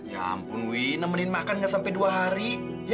ya ampun wi nemenin makan gak sampai dua hari